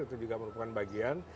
itu juga merupakan bagian